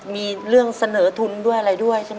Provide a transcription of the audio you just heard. มีเรื่องเสนอทุนด้วยอะไรด้วยใช่ไหม